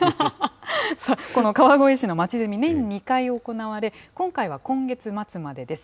さあ、この川越市のまちゼミ、年に２回行われ、今回は今月末までです。